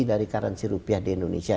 dari currency rupiah di indonesia